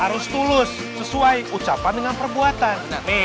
harus tulus sesuai ucapan dengan perbuatan